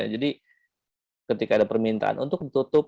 jadi ketika ada permintaan untuk tutup